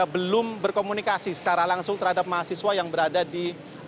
belum berkomunikasi secara langsung terhadap mahasiswa yang berada di